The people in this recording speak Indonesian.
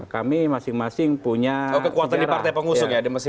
kami masing masing punya kekuatan di partai pengusung ya